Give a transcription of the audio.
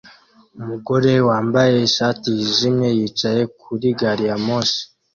Umugore wambaye ishati yijimye yicaye kuri gari ya mosh